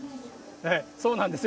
そうなんです。